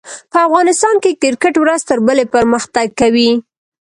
په افغانستان کښي کرکټ ورځ تر بلي پرمختګ کوي.